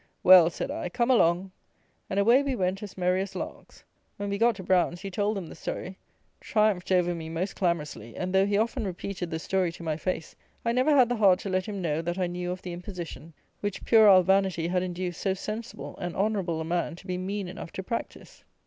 "Well," said I, "come along:" and away we went as merry as larks. When we got to Brown's, he told them the story, triumphed over me most clamorously; and, though he often repeated the story to my face, I never had the heart to let him know, that I knew of the imposition, which puerile vanity had induced so sensible and honourable a man to be mean enough to practise.